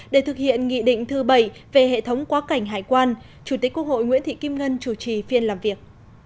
để thực hiện nghị định thứ bảy về hệ thống quá cảnh hải quan chủ tịch quốc hội nguyễn thị kim ngân chủ trì phiên làm việc